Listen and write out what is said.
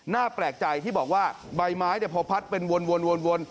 แปลกใจที่บอกว่าใบไม้พอพัดเป็นวน